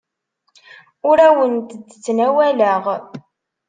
Ur awent-d-ttnawaleɣ.